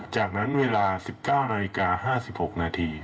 จากนั้นเวลา๑๙นาฬิกา๕๖นาที